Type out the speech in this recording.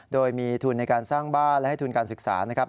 โดยมีทุนในการสร้างบ้านและให้ทุนการศึกษานะครับ